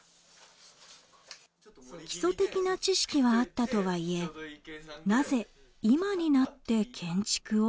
基礎的な知識はあったとはいえなぜ今になって建築を？